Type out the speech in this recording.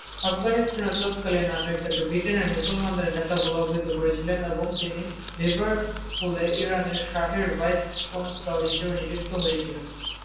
আফগানিস্তানের তৎকালীন আমির তাকে ব্রিটেনের মুসলমানদের নেতা বলে অভিহিত করেছিলেন এবং তিনি লিভারপুলে ইরানের শাহের ভাইস কনসাল হিসেবে নিযুক্ত হয়েছিলেন।